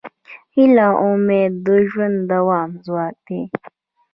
هیله او امید د ژوند د دوام ځواک دی.